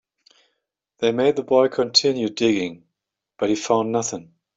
They made the boy continue digging, but he found nothing.